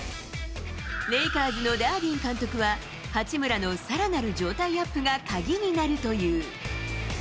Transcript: レイカーズのダービン監督は、八村のさらなる状態アップが鍵になるという。